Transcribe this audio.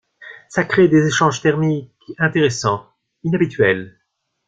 Ça crée des échanges thermiques... intéressants, inhabituels.